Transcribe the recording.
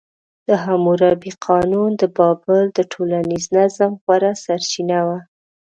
د حموربي قانون د بابل د ټولنیز نظم غوره سرچینه وه.